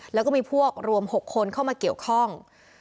แล้วก็มีพวกรวม๖คนเข้ามาเกี่ยวข้อง